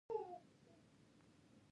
د پښتو کتابونو د چاپ مهم مراکز بېلابېل ول.